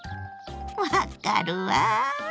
分かるわ！